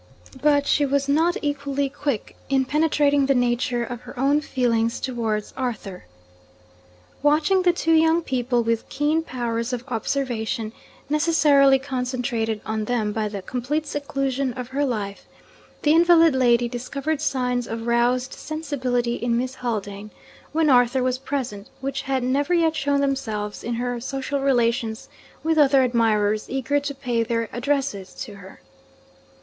But she was not equally quick in penetrating the nature of her own feelings towards Arthur. Watching the two young people with keen powers of observation, necessarily concentrated on them by the complete seclusion of her life, the invalid lady discovered signs of roused sensibility in Miss Haldane, when Arthur was present, which had never yet shown themselves in her social relations with other admirers eager to pay their addresses to her.